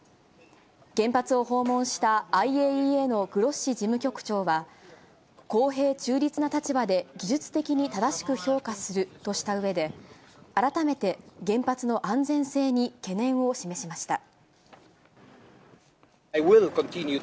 原発を訪問したＩＡＥＡのグロッシ事務局長は、公平中立な立場で技術的に正しく評価するとしたうえで、改めて原発の安全性に懸念を示しました。